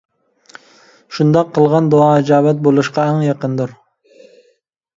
شۇنداق قىلغان دۇئا ئىجابەت بولۇشقا ئەڭ يېقىندۇر.